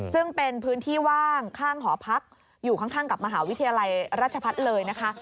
ซึ่งเป็นพื้นที่ว่างข้างหอพักอยู่ข้างกับมหาวิทยาลัยราชพัฒน์เลยนะคะ